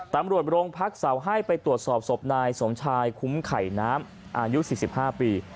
ตำรวจโรงพักเสาให้ไปตรวจสอบศพนายสมชายคุ้มไข่น้ำอายุ๔๕ปี